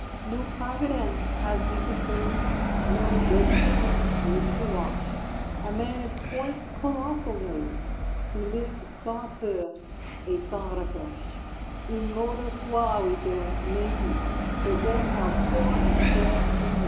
No private ends has he to serve, No dirty linen needs to wash; A man of quite colossal nerve, Who lives sans peur et sans reproche; In modo suaviter maybe, But then how fortiter in re!